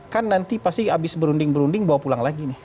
kan nanti pasti habis berunding berunding bawa pulang lagi nih